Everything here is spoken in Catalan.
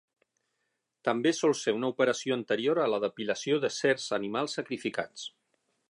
També sol ser una operació anterior a la depilació de certs animals sacrificats.